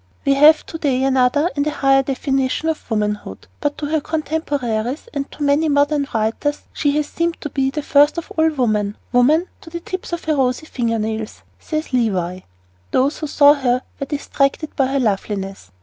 We have to day another and a higher definition of womanhood, but to her contemporaries, and to many modern writers, she has seemed to be first of all woman "woman to the tips of her rosy finger nails," says Levy. Those who saw her were distracted by her loveliness.